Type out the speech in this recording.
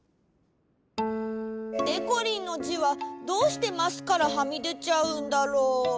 でこりんのじはどうしてマスからはみでちゃうんだろう？